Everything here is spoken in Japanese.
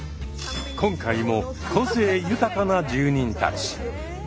今回も個性豊かな住人たち。